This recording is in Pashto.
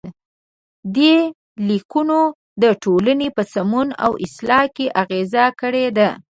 دې لیکنو د ټولنې په سمون او اصلاح کې اغیزه کړې ده.